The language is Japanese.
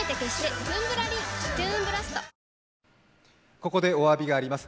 ここでお詫びがあります。